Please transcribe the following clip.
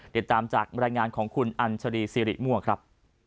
เดี๋ยวตามจากรายงานของคุณอันชรีซีริม่วงครับ